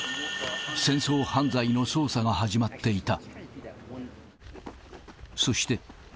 戦争犯罪の捜査が始まっていた。